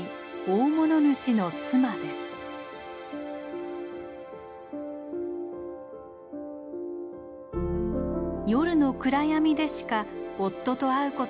夜の暗闇でしか夫と会うことがなかったヒメ。